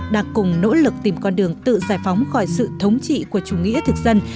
đang cùng nỗ lực tìm con đường tự giải phóng khỏi sự thống trị của chủ nghĩa thực dân